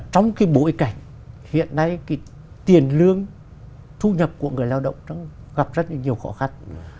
trong cái bối cảnh hiện nay cái tiền lương thu nhập của người lao động gặp rất là nhiều khó khăn